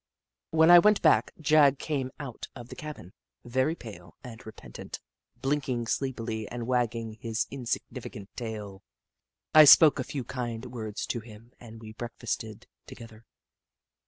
When I went back. Jagg came out of the cabin, very pale and repentant, blinking sleep ily and wagging his insignificant tail. I spoke a few kind words to him and we breakfasted together.